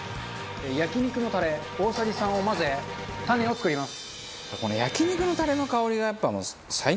焼肉のタレ大さじ３を混ぜタネを作ります。